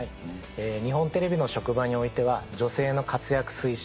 日本テレビの職場においては女性の活躍推進